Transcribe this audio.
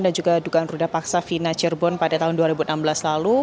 dan juga dugaan ruda paksa fina cirebon pada tahun dua ribu enam belas lalu